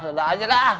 udah aja dah